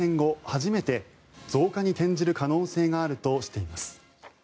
初めて増加に転じる可能性があるとしています。